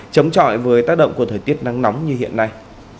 chống chọi với tác động của thời tiết nắng nóng như hiện nay